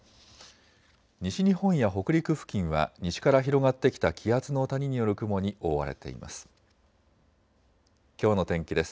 西日本や北陸付近は西から広がってきた気圧の谷による雲に覆われています。